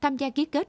tham gia ký kết